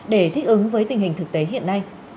để thích ứng với tình hình thực tế hiện nay